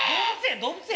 動物園？